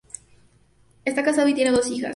Está casado y tiene dos hijas